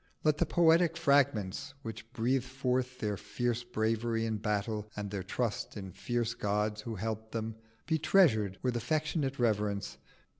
Let the poetic fragments which breathe forth their fierce bravery in battle and their trust in fierce gods who helped them, be treasured with affectionate reverence.